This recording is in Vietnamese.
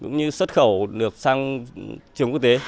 như xuất khẩu được sang trường quốc tế